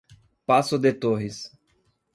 Passo de Torres